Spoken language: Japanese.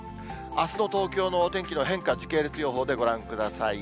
あすの東京のお天気の変化、時系列予報でご覧ください。